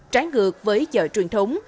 trái ngược với chợ truyền thống